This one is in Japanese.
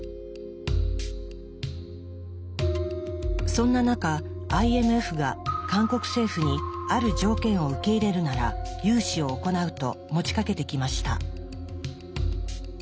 そんな中ＩＭＦが韓国政府にある条件を受け入れるなら融資を行うと持ちかけてきました。